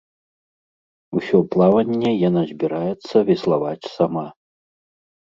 Усё плаванне яна збіраецца веславаць сама.